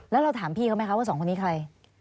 แล้วเราถามพี่เขาไหมคะว่าสองคนนี้ใคร